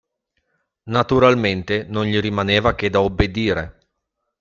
Naturalmente, non gli rimaneva che da obbedire.